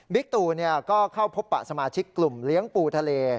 ตูก็เข้าพบปะสมาชิกกลุ่มเลี้ยงปูทะเล